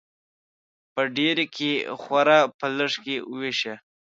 په ډيري کې خوره ، په لږي کې ويشه.